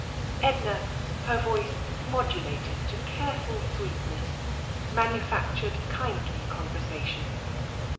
Edna, her voice modulated to careful sweetness, manufactured kindly conversation.